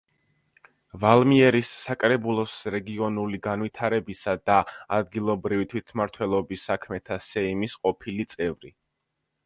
ვალმიერის საკრებულოს რეგიონული განვითარებისა და ადგილობრივი თვითმმართველობის საქმეთა სეიმის ყოფილი წევრი.